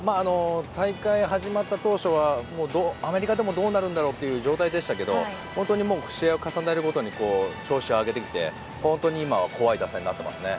大会が始まった当初はアメリカでもどうなるんだろうという状態でしたが試合を重ねるごとに調子を上げてきて、本当に今は怖い打線になっていますね。